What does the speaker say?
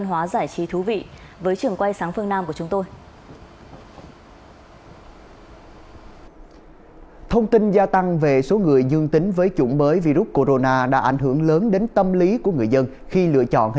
hãy đăng ký kênh để ủng hộ kênh của chúng mình nhé